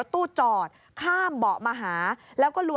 โดดลงรถหรือยังไงครับ